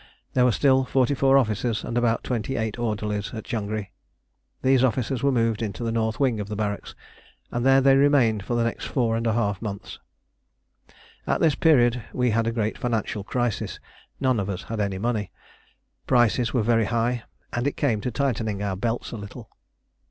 There were still forty four officers and about twenty eight orderlies in Changri. These officers were moved into the north wing of the barracks, and there they remained for the next four and a half months. At this period we had a great financial crisis none of us had any money, prices were very high, and it came to tightening our belts a little.